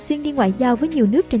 xuyên đi ngoại giao với nhiều nước trên